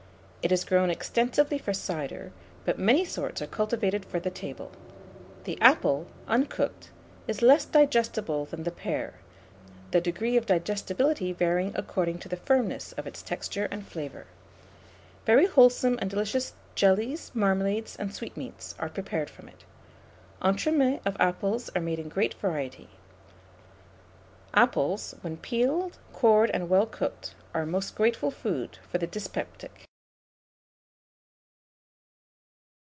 It is grown extensively for cider, but many sorts are cultivated for the table. The apple, uncooked, is less digestible than the pear; the degree of digestibility varying according to the firmness of its texture and flavour. Very wholesome and delicious jellies, marmalades, and sweetmeats are prepared from it. Entremets of apples are made in great variety. Apples, when peeled, cored, and well cooked, are a most grateful food for the dyspeptic.